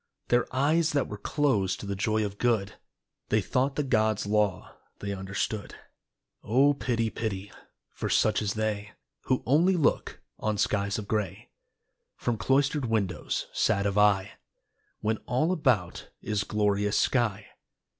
Their eyes — that were closed to the joy of good, They thought the God's law they understood. O Pity, Pity, for such as they Who only look on skies of gray, From cloistered windows sad of eye, When all about is glorious sky.